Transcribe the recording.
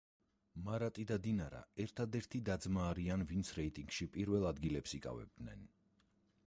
მარატი და დინარა ერთადერთი და-ძმანი არიან, ვინც რეიტინგში პირველ ადგილებს იკავებდნენ.